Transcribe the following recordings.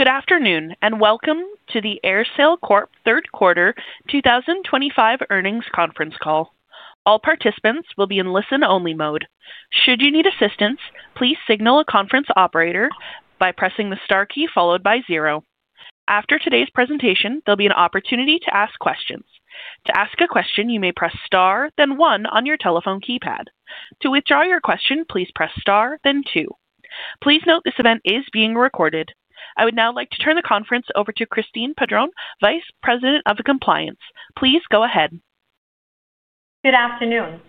Good afternoon and welcome to the AerSale Corp. Third Quarter 2025 earnings conference call. All participants will be in listen-only mode. Should you need assistance, please signal a conference operator by pressing the star key followed by zero. After today's presentation, there'll be an opportunity to ask questions. To ask a question, you may press star, then one on your telephone keypad. To withdraw your question, please press star, then two. Please note this event is being recorded. I would now like to turn the conference over to Christine Padron, Vice President of Compliance. Please go ahead. Good afternoon.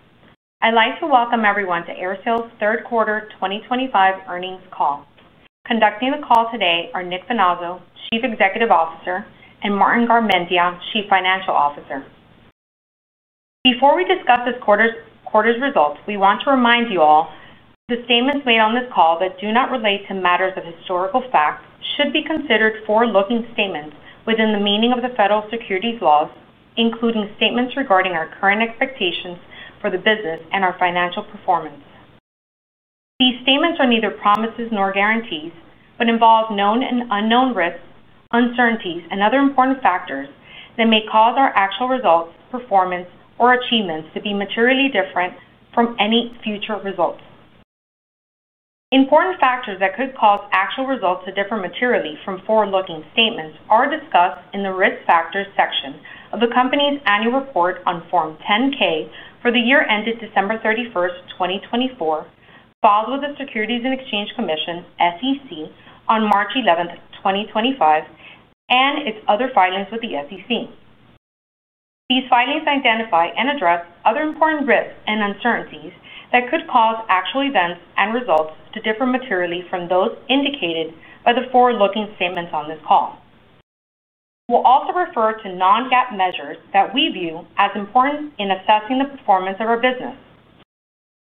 I'd like to welcome everyone to AerSale's third quarter 2025 earnings call. Conducting the call today are Nick Finazzo, Chief Executive Officer, and Martin Garmendia, Chief Financial Officer. Before we discuss this quarter's results, we want to remind you all that the statements made on this call that do not relate to matters of historical fact should be considered forward-looking statements within the meaning of the federal securities laws, including statements regarding our current expectations for the business and our financial performance. These statements are neither promises nor guarantees but involve known and unknown risks, uncertainties, and other important factors that may cause our actual results, performance, or achievements to be materially different from any future results. Important factors that could cause actual results to differ materially from forward-looking statements are discussed in the risk factors section of the company's annual report on Form 10-K for the year ended December 31, 2024, filed with the Securities and Exchange Commission, SEC, on March 11, 2025, and its other filings with the SEC. These filings identify and address other important risks and uncertainties that could cause actual events and results to differ materially from those indicated by the forward-looking statements on this call. We'll also refer to non-GAAP measures that we view as important in assessing the performance of our business.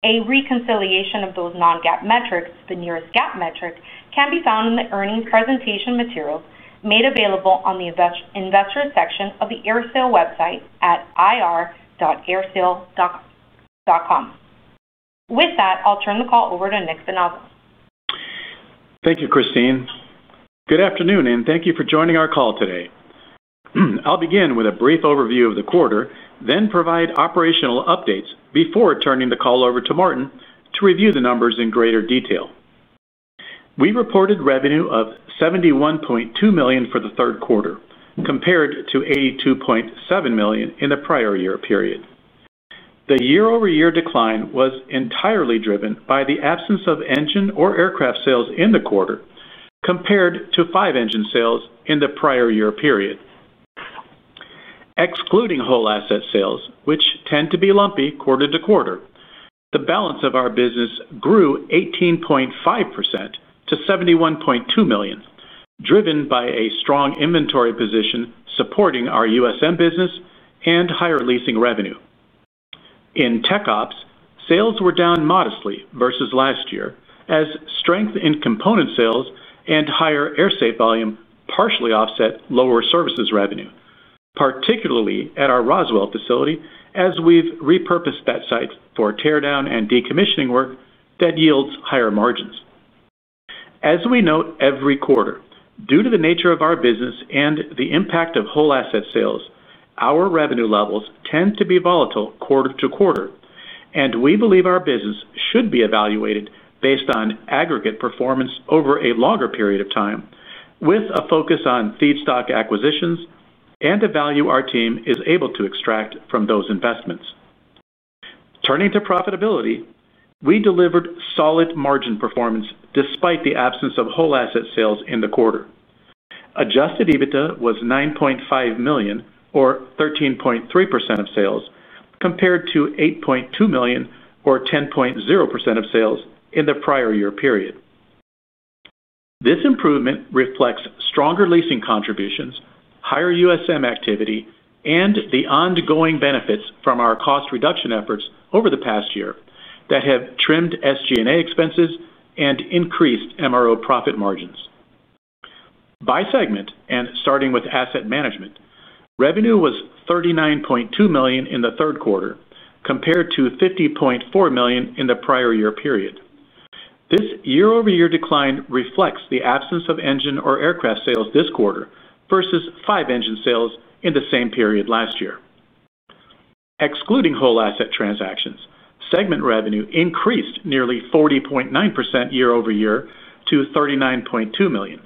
A reconciliation of those non-GAAP metrics to the nearest GAAP metric can be found in the earnings presentation materials made available on the investor section of the AerSale website at ir.aersale.com. With that, I'll turn the call over to Nick Finazzo. Thank you, Christine. Good afternoon, and thank you for joining our call today. I'll begin with a brief overview of the quarter, then provide operational updates before turning the call over to Martin to review the numbers in greater detail. We reported revenue of $71.2 million for the third quarter, compared to $82.7 million in the prior year period. The year-over-year decline was entirely driven by the absence of engine or aircraft sales in the quarter, compared to five engine sales in the prior year period. Excluding whole asset sales, which tend to be lumpy quarter to quarter, the balance of our business grew 18.5% to $71.2 million, driven by a strong inventory position supporting our USM business and higher leasing revenue. In tech ops, sales were down modestly versus last year, as strength in component sales and higher AerSafe volume partially offset lower services revenue, particularly at our Roswell facility, as we've repurposed that site for tear-down and decommissioning work that yields higher margins. As we note every quarter, due to the nature of our business and the impact of whole asset sales, our revenue levels tend to be volatile quarter to quarter, and we believe our business should be evaluated based on aggregate performance over a longer period of time, with a focus on feedstock acquisitions and the value our team is able to extract from those investments. Turning to profitability, we delivered solid margin performance despite the absence of whole asset sales in the quarter. Adjusted EBITDA was $9.5 million, or 13.3% of sales, compared to $8.2 million, or 10.0% of sales, in the prior year period. This improvement reflects stronger leasing contributions, higher USM activity, and the ongoing benefits from our cost reduction efforts over the past year that have trimmed SG&A expenses and increased MRO profit margins. By segment, and starting with asset management, revenue was $39.2 million in the third quarter, compared to $50.4 million in the prior year period. This year-over-year decline reflects the absence of engine or aircraft sales this quarter versus five engine sales in the same period last year. Excluding whole asset transactions, segment revenue increased nearly 40.9% year-over-year to $39.2 million,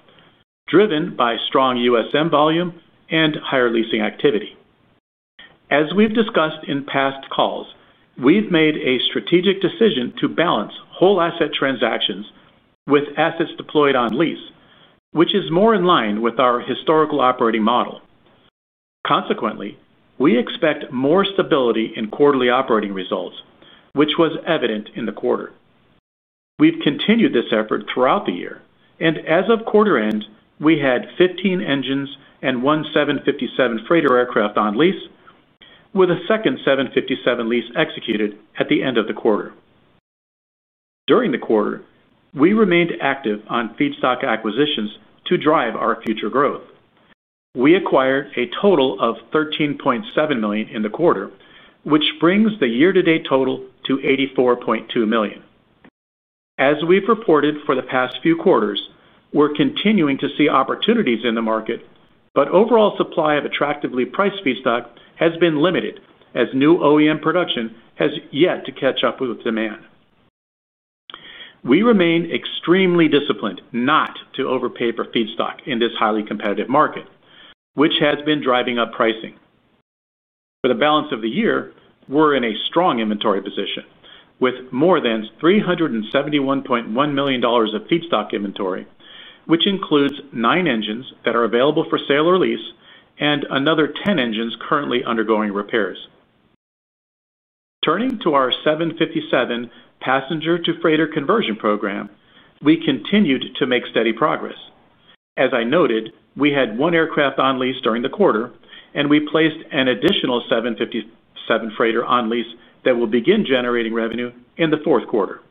driven by strong USM volume and higher leasing activity. As we've discussed in past calls, we've made a strategic decision to balance whole asset transactions with assets deployed on lease, which is more in line with our historical operating model. Consequently, we expect more stability in quarterly operating results, which was evident in the quarter. We've continued this effort throughout the year, and as of quarter end, we had 15 engines and one 757 freighter aircraft on lease, with a second 757 lease executed at the end of the quarter. During the quarter, we remained active on feedstock acquisitions to drive our future growth. We acquired a total of $13.7 million in the quarter, which brings the year-to-date total to $84.2 million. As we've reported for the past few quarters, we're continuing to see opportunities in the market, but overall supply of attractively priced feedstock has been limited as new OEM production has yet to catch up with demand. We remain extremely disciplined not to overpay for feedstock in this highly competitive market, which has been driving up pricing. For the balance of the year, we're in a strong inventory position, with more than $371.1 million of feedstock inventory, which includes nine engines that are available for sale or lease and another ten engines currently undergoing repairs. Turning to our 757 passenger-to-freighter conversion program, we continued to make steady progress. As I noted, we had one aircraft on lease during the quarter, and we placed an additional 757 freighter on lease that will begin generating revenue in the fourth quarter.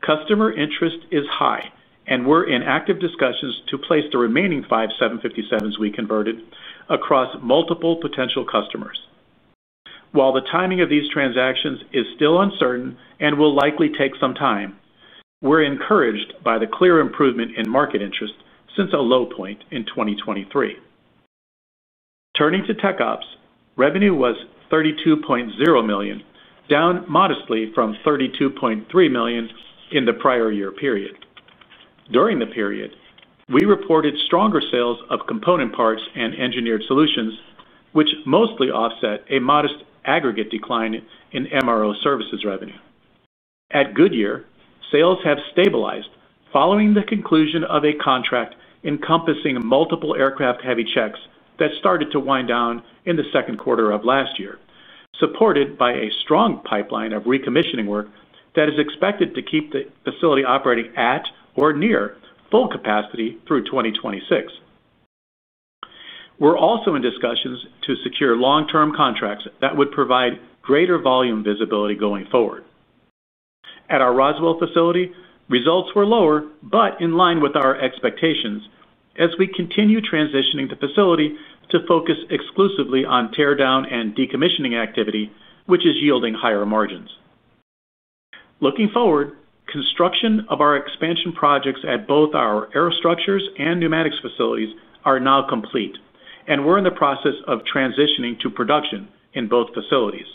Customer interest is high, and we're in active discussions to place the remaining five 757s we converted across multiple potential customers. While the timing of these transactions is still uncertain and will likely take some time, we're encouraged by the clear improvement in market interest since a low point in 2023. Turning to tech ops, revenue was $32.0 million, down modestly from $32.3 million in the prior year period. During the period, we reported stronger sales of component parts and engineered solutions, which mostly offset a modest aggregate decline in MRO services revenue. At Goodyear, sales have stabilized following the conclusion of a contract encompassing multiple aircraft heavy checks that started to wind down in the second quarter of last year, supported by a strong pipeline of recommissioning work that is expected to keep the facility operating at or near full capacity through 2026. We're also in discussions to secure long-term contracts that would provide greater volume visibility going forward. At our Roswell facility, results were lower but in line with our expectations as we continue transitioning the facility to focus exclusively on tear-down and decommissioning activity, which is yielding higher margins. Looking forward, construction of our expansion projects at both our air structures and pneumatics facilities are now complete, and we're in the process of transitioning to production in both facilities.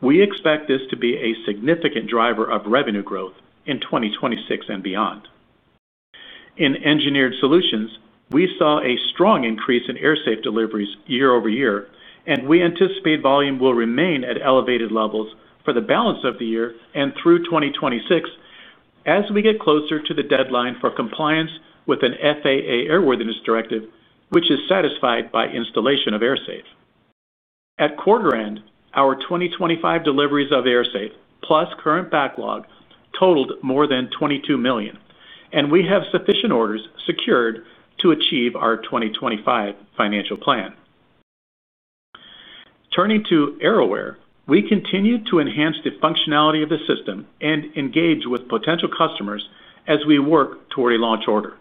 We expect this to be a significant driver of revenue growth in 2026 and beyond. In engineered solutions, we saw a strong increase in AerSafe deliveries year-over-year, and we anticipate volume will remain at elevated levels for the balance of the year and through 2026 as we get closer to the deadline for compliance with an FAA airworthiness directive, which is satisfied by installation of AerSafe. At quarter end, our 2025 deliveries of AerSafe, plus current backlog, totaled more than $22 million, and we have sufficient orders secured to achieve our 2025 financial plan. Turning to AeroWare, we continue to enhance the functionality of the system and engage with potential customers as we work toward a launch order.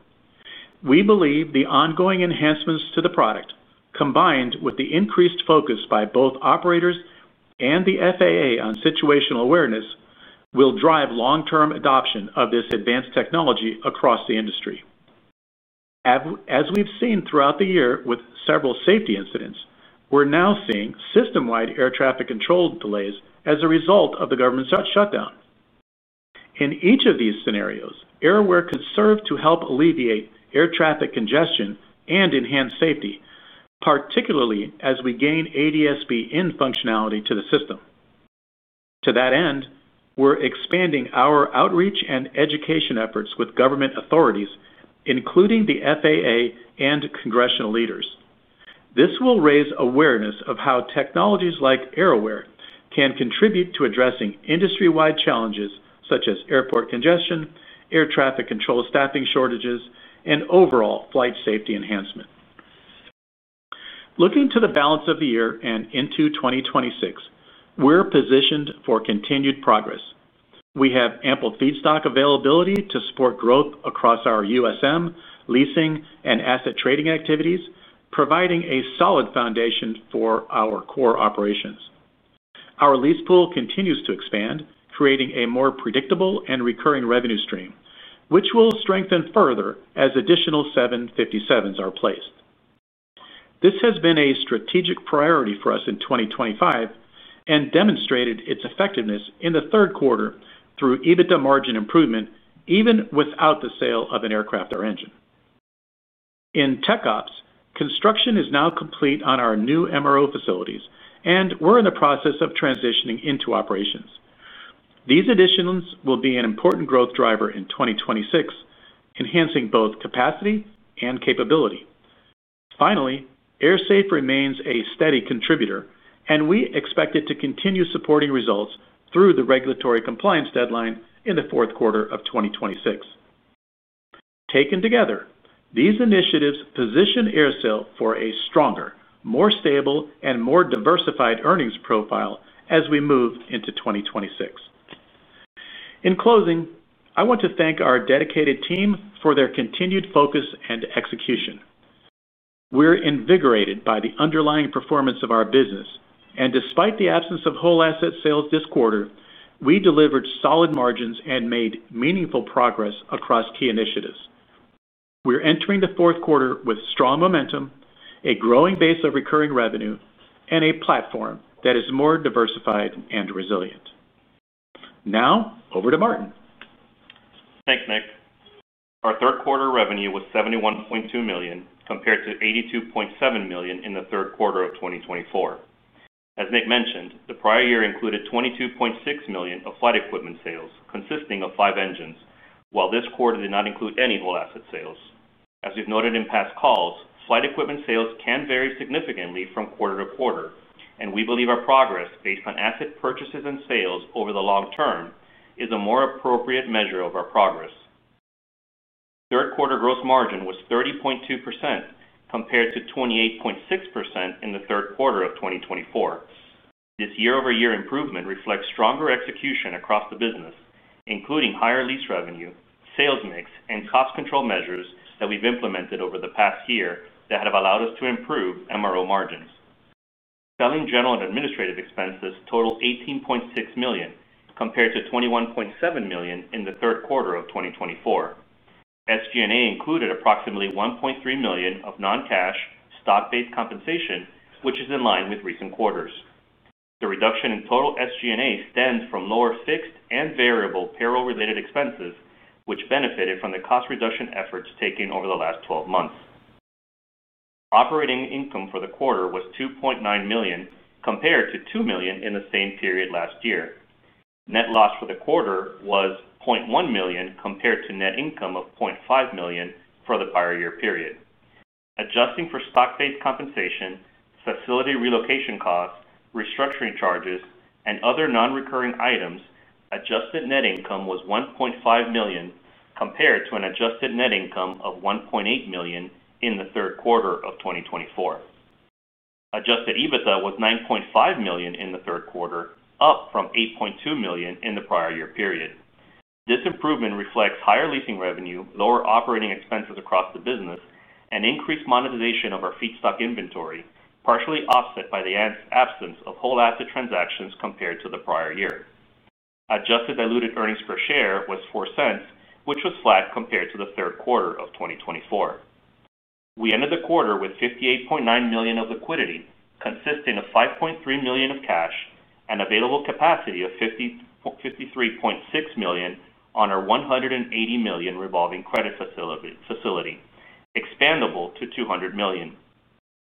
We believe the ongoing enhancements to the product, combined with the increased focus by both operators and the FAA on situational awareness, will drive long-term adoption of this advanced technology across the industry. As we've seen throughout the year with several safety incidents, we're now seeing system-wide air traffic control delays as a result of the government's shutdown. In each of these scenarios, AerAware could serve to help alleviate air traffic congestion and enhance safety, particularly as we gain ADS-B in functionality to the system. To that end, we're expanding our outreach and education efforts with government authorities, including the FAA and congressional leaders. This will raise awareness of how technologies like AerAware can contribute to addressing industry-wide challenges such as airport congestion, air traffic control staffing shortages, and overall flight safety enhancement. Looking to the balance of the year and into 2026, we're positioned for continued progress. We have ample feedstock availability to support growth across our USM, leasing, and asset trading activities, providing a solid foundation for our core operations. Our lease pool continues to expand, creating a more predictable and recurring revenue stream, which will strengthen further as additional 757s are placed. This has been a strategic priority for us in 2025 and demonstrated its effectiveness in the third quarter through EBITDA margin improvement, even without the sale of an aircraft or engine. In tech ops, construction is now complete on our new MRO facilities, and we're in the process of transitioning into operations. These additions will be an important growth driver in 2026, enhancing both capacity and capability. Finally, AerSafe remains a steady contributor, and we expect it to continue supporting results through the regulatory compliance deadline in the fourth quarter of 2026. Taken together, these initiatives position AerSale for a stronger, more stable, and more diversified earnings profile as we move into 2026. In closing, I want to thank our dedicated team for their continued focus and execution. We're invigorated by the underlying performance of our business, and despite the absence of whole asset sales this quarter, we delivered solid margins and made meaningful progress across key initiatives. We're entering the fourth quarter with strong momentum, a growing base of recurring revenue, and a platform that is more diversified and resilient. Now, over to Martin. Thanks, Nick. Our third quarter revenue was $71.2 million compared to $82.7 million in the third quarter of 2024. As Nick mentioned, the prior year included $22.6 million of flight equipment sales, consisting of five engines, while this quarter did not include any whole asset sales. As we've noted in past calls, flight equipment sales can vary significantly from quarter to quarter, and we believe our progress based on asset purchases and sales over the long term is a more appropriate measure of our progress. Third quarter gross margin was 30.2% compared to 28.6% in the third quarter of 2024. This year-over-year improvement reflects stronger execution across the business, including higher lease revenue, sales mix, and cost control measures that we've implemented over the past year that have allowed us to improve MRO margins. Selling, general, and administrative expenses total $18.6 million compared to $21.7 million in the third quarter of 2024. SG&A included approximately $1.3 million of non-cash stock-based compensation, which is in line with recent quarters. The reduction in total SG&A stems from lower fixed and variable payroll-related expenses, which benefited from the cost reduction efforts taken over the last 12 months. Operating income for the quarter was $2.9 million compared to $2 million in the same period last year. Net loss for the quarter was $0.1 million compared to net income of $0.5 million for the prior year period. Adjusting for stock-based compensation, facility relocation costs, restructuring charges, and other non-recurring items, adjusted net income was $1.5 million compared to an adjusted net income of $1.8 million in the third quarter of 2024. Adjusted EBITDA was $9.5 million in the third quarter, up from $8.2 million in the prior year period. This improvement reflects higher leasing revenue, lower operating expenses across the business, and increased monetization of our feedstock inventory, partially offset by the absence of whole asset transactions compared to the prior year. Adjusted diluted earnings per share was $0.04, which was flat compared to the third quarter of 2024. We ended the quarter with $58.9 million of liquidity, consisting of $5.3 million of cash and available capacity of $53.6 million on our $180 million revolving credit facility, expandable to $200 million,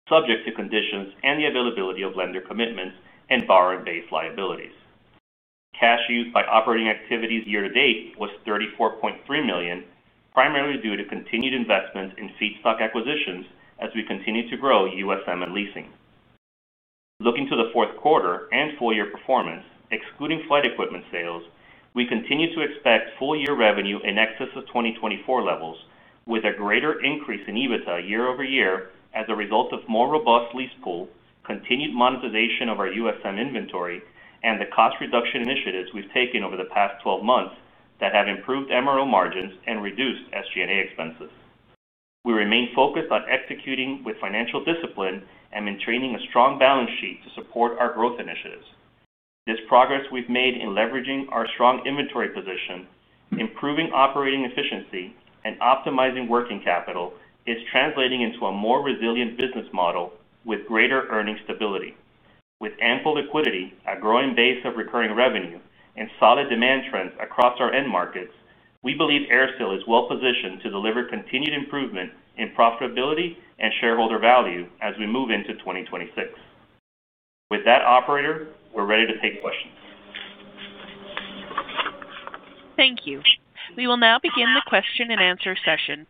subject to conditions and the availability of lender commitments and borrower-based liabilities. Cash used by operating activities year-to-date was $34.3 million, primarily due to continued investments in feedstock acquisitions as we continue to grow USM and leasing. Looking to the fourth quarter and full-year performance, excluding flight equipment sales, we continue to expect full-year revenue in excess of 2024 levels, with a greater increase in EBITDA year-over-year as a result of more robust lease pool, continued monetization of our USM inventory, and the cost reduction initiatives we've taken over the past 12 months that have improved MRO margins and reduced SG&A expenses. We remain focused on executing with financial discipline and maintaining a strong balance sheet to support our growth initiatives. This progress we've made in leveraging our strong inventory position, improving operating efficiency, and optimizing working capital is translating into a more resilient business model with greater earnings stability. With ample liquidity, a growing base of recurring revenue, and solid demand trends across our end markets, we believe AerSale is well-positioned to deliver continued improvement in profitability and shareholder value as we move into 2026. With that, operator, we're ready to take questions. Thank you. We will now begin the question-and-answer session.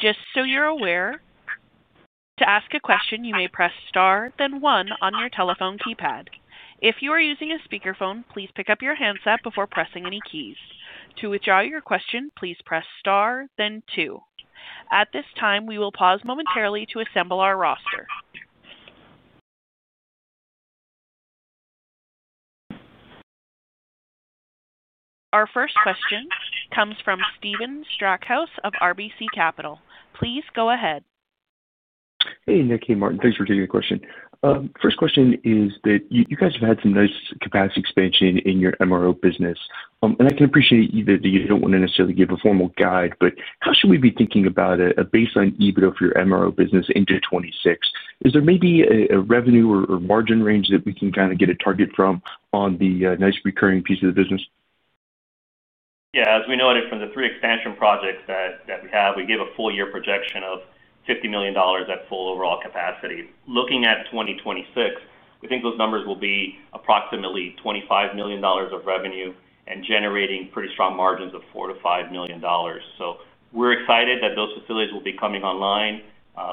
Just so you're aware, to ask a question, you may press star, then one on your telephone keypad. If you are using a speakerphone, please pick up your handset before pressing any keys. To withdraw your question, please press star, then two. At this time, we will pause momentarily to assemble our roster. Our first question comes from Stephen Strackhouse of RBC Capital. Please go ahead. Hey, Nick and Martin. Thanks for taking the question. First question is that you guys have had some nice capacity expansion in your MRO business. I can appreciate that you don't want to necessarily give a formal guide, but how should we be thinking about a baseline EBITDA for your MRO business into 2026? Is there maybe a revenue or margin range that we can kind of get a target from on the nice recurring piece of the business? Yeah. As we noted from the three expansion projects that we have, we gave a full-year projection of $50 million at full overall capacity. Looking at 2026, we think those numbers will be approximately $25 million of revenue and generating pretty strong margins of $4 million-$5 million. We are excited that those facilities will be coming online.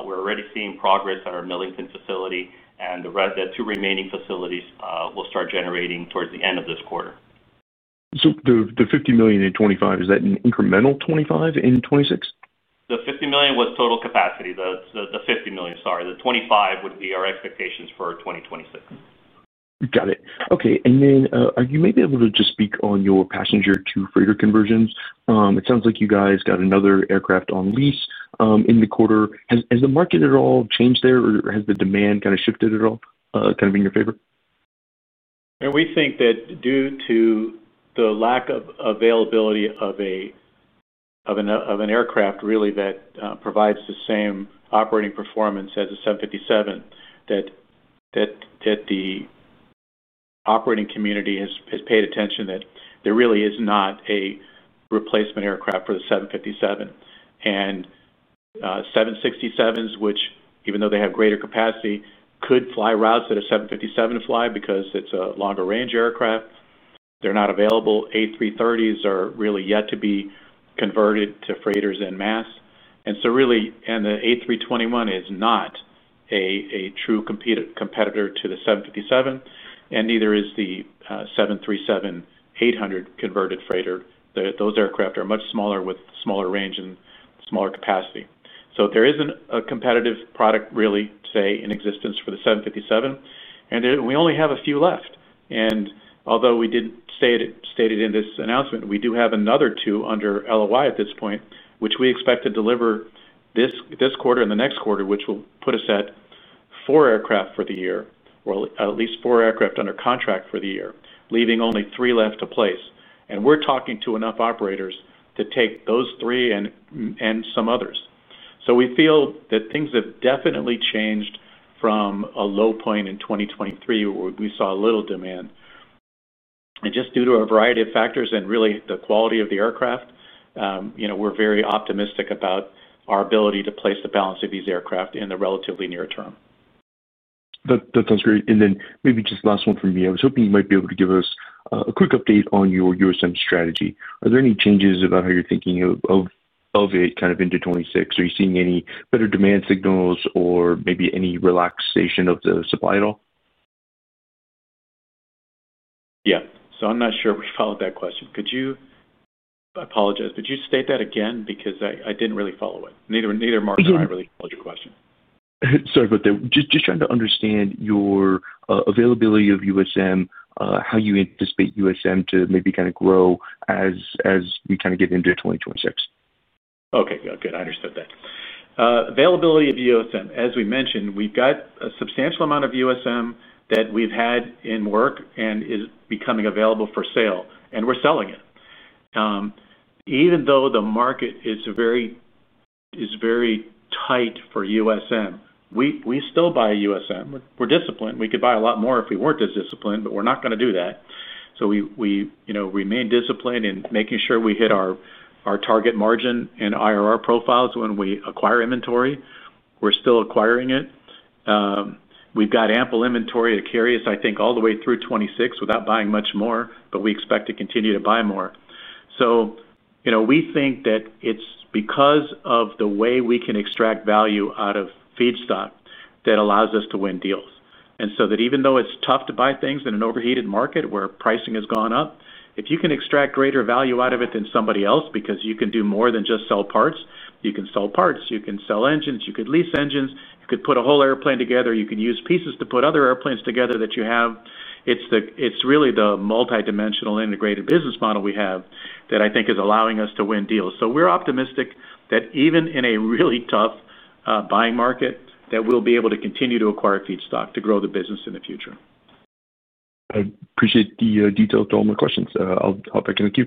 We are already seeing progress at our Millington facility, and the two remaining facilities will start generating towards the end of this quarter. The $50 million in 2025, is that an incremental $25 million in 2026? The $50 million was total capacity. The $50 million, sorry. The $25 million would be our expectations for 2026. Got it. Okay. Are you maybe able to just speak on your passenger to freighter conversions? It sounds like you guys got another aircraft on lease in the quarter. Has the market at all changed there, or has the demand kind of shifted at all, kind of in your favor? We think that due to the lack of availability of an aircraft, really, that provides the same operating performance as a 757, the operating community has paid attention that there really is not a replacement aircraft for the 757. 767s, which, even though they have greater capacity, could fly routes that a 757 would fly because it is a longer-range aircraft, are not available. A330s are really yet to be converted to freighters en masse. The A321 is not a true competitor to the 757, and neither is the 737-800 converted freighter. Those aircraft are much smaller with smaller range and smaller capacity. There is not a competitive product, really, to say, in existence for the 757. We only have a few left. Although we didn't state it in this announcement, we do have another two under LOI at this point, which we expect to deliver this quarter and the next quarter, which will put us at four aircraft for the year, or at least four aircraft under contract for the year, leaving only three left to place. We're talking to enough operators to take those three and some others. We feel that things have definitely changed from a low point in 2023, where we saw a little demand. Just due to a variety of factors and really the quality of the aircraft, we're very optimistic about our ability to place the balance of these aircraft in the relatively near term. That sounds great. Maybe just last one from me. I was hoping you might be able to give us a quick update on your USM strategy. Are there any changes about how you're thinking of it kind of into 2026? Are you seeing any better demand signals or maybe any relaxation of the supply at all? Yeah. I'm not sure if we followed that question. I apologize. Could you state that again? Because I didn't really follow it. Neither Martin nor I really followed your question. Sorry about that. Just trying to understand your availability of USM, how you anticipate USM to maybe kind of grow as we kind of get into 2026. Okay. Good. I understood that. Availability of USM, as we mentioned, we've got a substantial amount of USM that we've had in work and is becoming available for sale, and we're selling it. Even though the market is very tight for USM, we still buy USM. We're disciplined. We could buy a lot more if we weren't as disciplined, but we're not going to do that. We remain disciplined in making sure we hit our target margin and IRR profiles when we acquire inventory. We're still acquiring it. We've got ample inventory to carry us, I think, all the way through 2026 without buying much more, but we expect to continue to buy more. We think that it's because of the way we can extract value out of feedstock that allows us to win deals. Even though it's tough to buy things in an overheated market where pricing has gone up, if you can extract greater value out of it than somebody else because you can do more than just sell parts, you can sell parts, you can sell engines, you could lease engines, you could put a whole airplane together, you could use pieces to put other airplanes together that you have. It's really the multidimensional integrated business model we have that I think is allowing us to win deals. We are optimistic that even in a really tough buying market, we will be able to continue to acquire feedstock to grow the business in the future. I appreciate the detail of all my questions. I'll back in with you.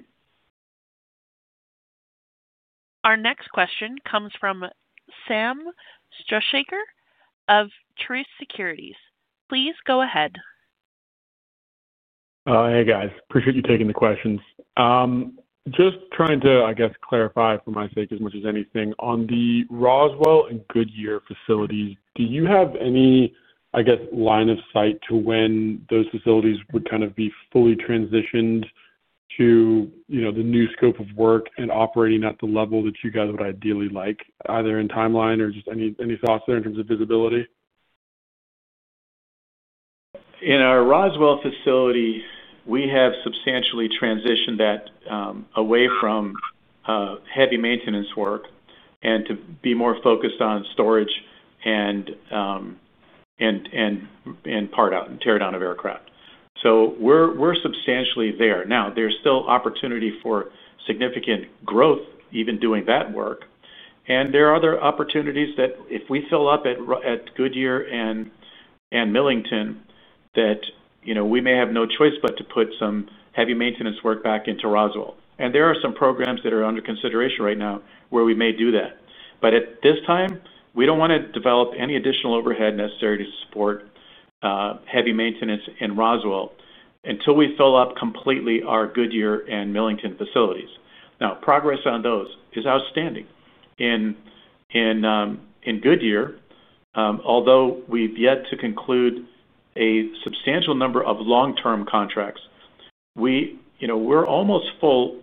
Our next question comes from Sam Struhsaker of Truist Securities. Please go ahead. Hey, guys. Appreciate you taking the questions. Just trying to, I guess, clarify for my sake as much as anything. On the Roswell and Goodyear facilities, do you have any, I guess, line of sight to when those facilities would kind of be fully transitioned to the new scope of work and operating at the level that you guys would ideally like, either in timeline or just any thoughts there in terms of visibility? In our Roswell facility, we have substantially transitioned that away from heavy maintenance work and to be more focused on storage and part out and tear down of aircraft. So we're substantially there. Now, there's still opportunity for significant growth, even doing that work. There are other opportunities that if we fill up at Goodyear and Millington, we may have no choice but to put some heavy maintenance work back into Roswell. There are some programs that are under consideration right now where we may do that. At this time, we don't want to develop any additional overhead necessary to support heavy maintenance in Roswell until we fill up completely our Goodyear and Millington facilities. Now, progress on those is outstanding. In Goodyear, although we've yet to conclude a substantial number of long-term contracts, we're almost full.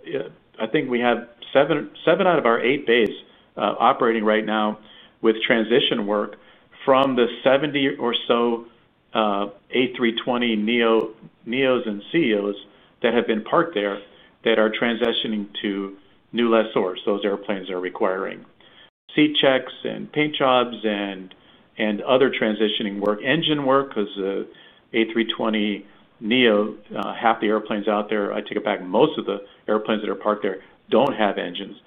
I think we have seven out of our eight bays operating right now with transition work from the 70 or so A320neos and A320ceos that have been parked there that are transitioning to new lessors, those airplanes that are requiring seat checks and paint jobs and other transitioning work. Engine work because the A320neo, half the airplanes out there, I take it back, most of the airplanes that are parked there do not have engines.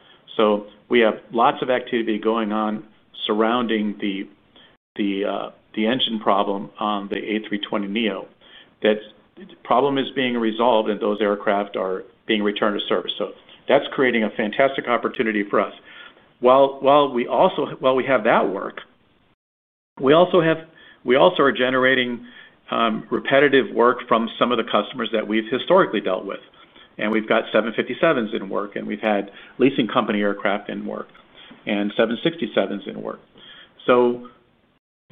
We have lots of activity going on surrounding the engine problem on the A320neo. That problem is being resolved, and those aircraft are being returned to service. That is creating a fantastic opportunity for us. While we have that work, we also are generating repetitive work from some of the customers that we have historically dealt with. We have 757s in work, and we have had leasing company aircraft in work, and 767s in work. We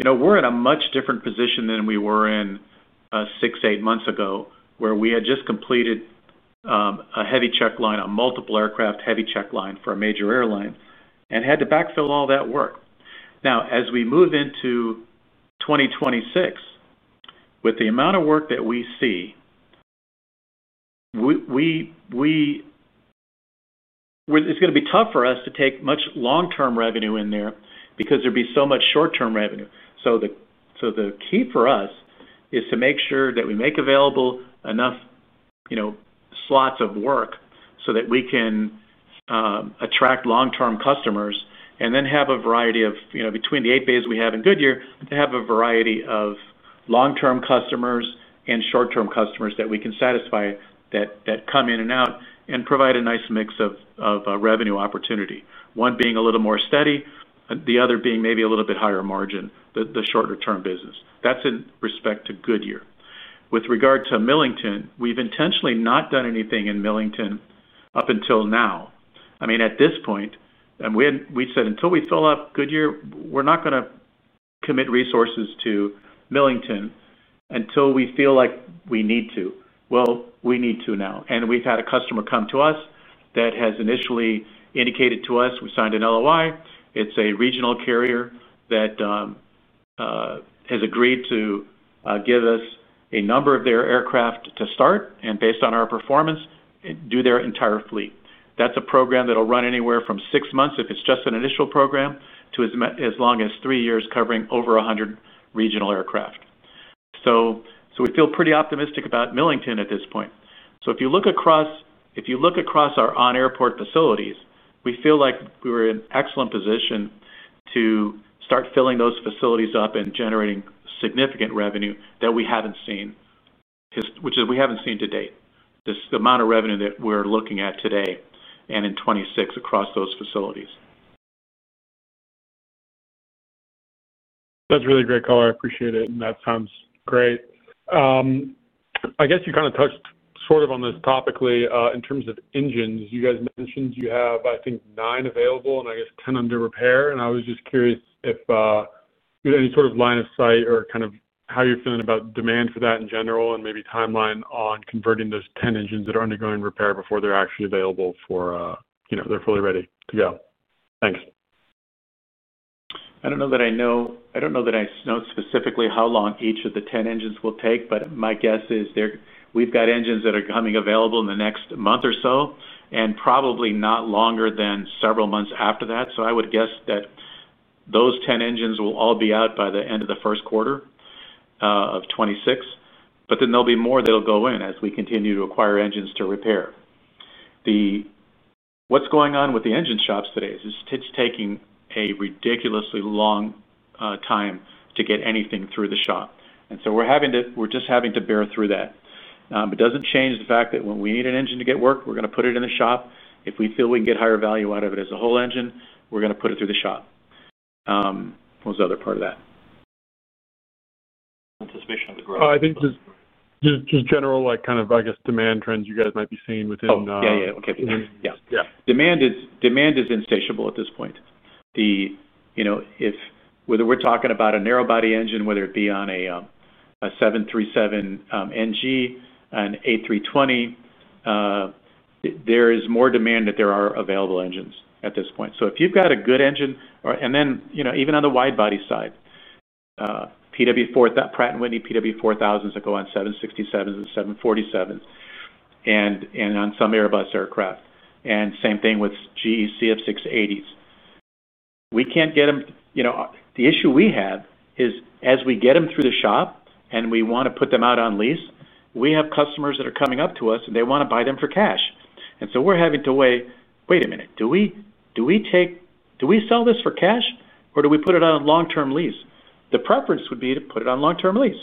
are in a much different position than we were in six, eight months ago, where we had just completed a heavy check line on multiple aircraft, heavy check line for a major airline, and had to backfill all that work. Now, as we move into 2026, with the amount of work that we see, it is going to be tough for us to take much long-term revenue in there because there would be so much short-term revenue. The key for us is to make sure that we make available enough slots of work so that we can attract long-term customers and then have a variety of, between the eight bays we have in Goodyear, to have a variety of long-term customers and short-term customers that we can satisfy that come in and out and provide a nice mix of revenue opportunity. One being a little more steady, the other being maybe a little bit higher margin, the shorter-term business. That is in respect to Goodyear. With regard to Millington, we have intentionally not done anything in Millington up until now. I mean, at this point, we said until we fill up Goodyear, we are not going to commit resources to Millington until we feel like we need to. We need to now. And we have had a customer come to us that has initially indicated to us, we signed an LOI. It is a regional carrier that has agreed to give us a number of their aircraft to start, and based on our performance, do their entire fleet. That is a program that will run anywhere from six months if it is just an initial program to as long as three years covering over 100 regional aircraft. We feel pretty optimistic about Millington at this point. If you look across our on-airport facilities, we feel like we are in an excellent position to start filling those facilities up and generating significant revenue that we have not seen, which we have not seen to date, the amount of revenue that we are looking at today and in 2026 across those facilities. That's really great color. I appreciate it. That sounds great. I guess you kind of touched sort of on this topically in terms of engines. You guys mentioned you have, I think, nine available and, I guess, ten under repair. I was just curious if you had any sort of line of sight or kind of how you're feeling about demand for that in general and maybe timeline on converting those ten engines that are undergoing repair before they're actually available, before they're fully ready to go. Thanks. I don't know that I know specifically how long each of the ten engines will take, but my guess is we've got engines that are coming available in the next month or so and probably not longer than several months after that. I would guess that those ten engines will all be out by the end of the first quarter of 2026. There will be more that will go in as we continue to acquire engines to repair. What's going on with the engine shops today is it's taking a ridiculously long time to get anything through the shop. We are just having to bear through that. It doesn't change the fact that when we need an engine to get work, we're going to put it in the shop. If we feel we can get higher value out of it as a whole engine, we're going to put it through the shop. What was the other part of that? Anticipation of the growth. I think just general kind of, I guess, demand trends you guys might be seeing within. Yeah, yeah. Okay. Yeah. Demand is insatiable at this point. Whether we're talking about a narrow-body engine, whether it be on a 737 NG, an A320. There is more demand than there are available engines at this point. If you've got a good engine, and then even on the wide-body side, PW4000s that go on 767s and 747s and on some Airbus aircraft, and same thing with GE CF6-80s. We can't get them. The issue we have is as we get them through the shop and we want to put them out on lease, we have customers that are coming up to us, and they want to buy them for cash. We're having to weigh, wait a minute, do we sell this for cash, or do we put it on a long-term lease? The preference would be to put it on long-term lease.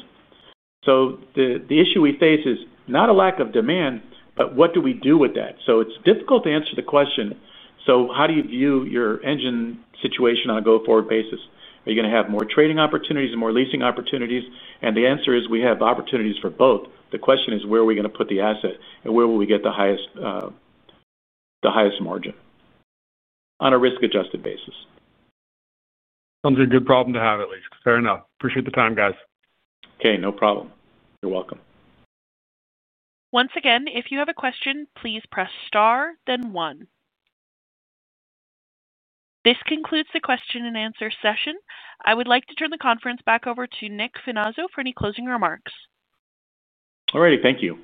The issue we face is not a lack of demand, but what do we do with that? It's difficult to answer the question. How do you view your engine situation on a go-forward basis? Are you going to have more trading opportunities and more leasing opportunities? The answer is we have opportunities for both. The question is where are we going to put the asset and where will we get the highest margin on a risk-adjusted basis. Sounds like a good problem to have, at least. Fair enough. Appreciate the time, guys. Okay. No problem. You're welcome. Once again, if you have a question, please press star, then one. This concludes the question and answer session. I would like to turn the conference back over to Nick Finazzo for any closing remarks. All righty. Thank you.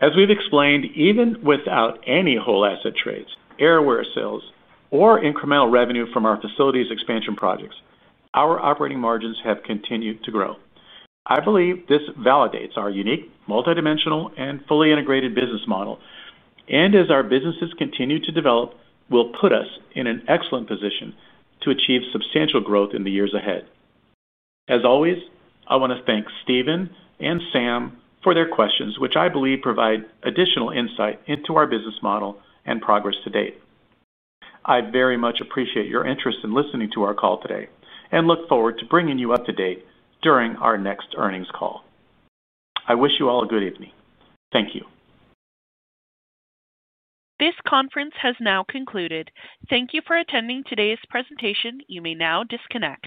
As we've explained, even without any whole asset trades, AerAware sales, or incremental revenue from our facilities expansion projects, our operating margins have continued to grow. I believe this validates our unique, multidimensional, and fully integrated business model. As our businesses continue to develop, we'll put us in an excellent position to achieve substantial growth in the years ahead. As always, I want to thank Stephen and Sam for their questions, which I believe provide additional insight into our business model and progress to date. I very much appreciate your interest in listening to our call today and look forward to bringing you up to date during our next earnings call. I wish you all a good evening. Thank you. This conference has now concluded. Thank you for attending today's presentation. You may now disconnect.